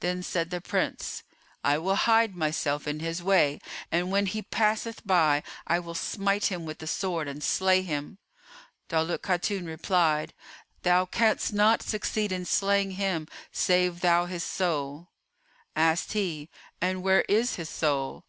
Then said the Prince, "I will hide myself in his way, and when he passeth by I will smite him with the sword and slay him." Daulat Khatun replied, "Thou canst not succeed in slaying him save thou slay his soul." Asked he, "And where is his soul?"